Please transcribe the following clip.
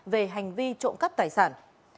về hành vi trộm cắp tài sản